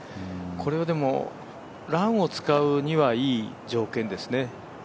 これはランを使うにはいい条件ですね。